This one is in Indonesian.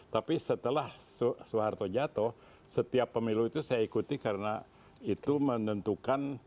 tapi setelah soeharto jatuh setiap pemilu itu saya ikuti karena itu menentukan